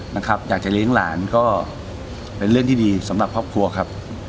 นะครับอยากจะเลี้ยงหลานก็เป็นเรื่องที่ดีสำหรับครอบครัวครับ